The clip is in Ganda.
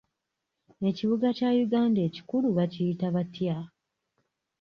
Ekibuga kya Uganda ekikulu bakiyita batya?